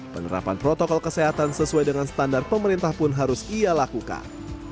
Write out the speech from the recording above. penerapan protokol kesehatan sesuai dengan standar pemerintah pun harus ia lakukan